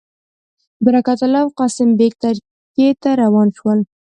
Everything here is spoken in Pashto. برکت الله او قاسم بېګ ترکیې ته روان شول.